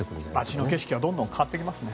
街の景色がどんどん変わっていきますね。